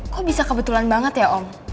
kok bisa kebetulan banget ya om